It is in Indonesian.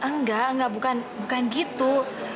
enggak enggak bukan gitu